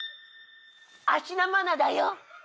芦田愛菜だよ。